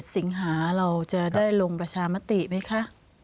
สิงหาเราจะได้ลงประชามติไหมคะ